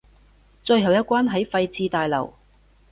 最後一關喺廢置大樓